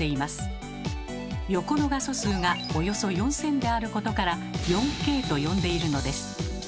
横の画素数がおよそ４，０００であることから４Ｋと呼んでいるのです。